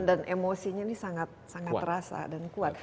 emosinya ini sangat sangat terasa dan kuat